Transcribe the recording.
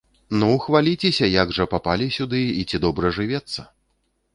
Ну, хваліцеся, як жа папалі сюды і ці добра жывецца?